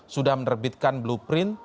sudah menerbitkan blueprint